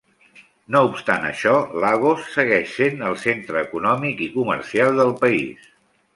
No obstant això, Lagos segueix sent el centre econòmic i comercial del país.